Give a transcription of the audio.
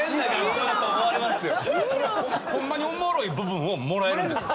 ホンマにおもろい部分をもらえるんですか？